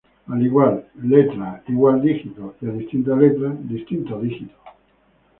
A igual letra, igual dígito, y a distinta letra, distinto dígito.